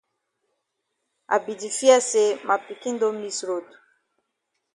I be di fear say ma pikin don miss road.